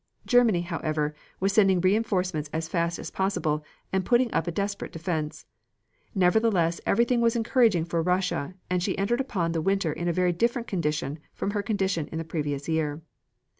Germany, however, was sending reinforcements as fast as possible, and putting up a desperate defense. Nevertheless everything was encouraging for Russia and she entered upon the winter in a very different condition from her condition in the previous year.